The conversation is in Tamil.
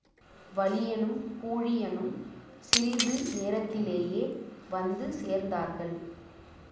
வலியனும் பூழியனும் சிறிது நேரத்திலேயே வந்து சேர்ந்தார்கள்.